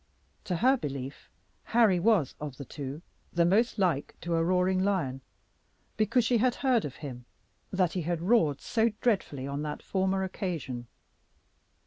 To her belief, Harry was, of the two, the most like to a roaring lion, because she had heard of him that he had roared so dreadfully on that former occasion.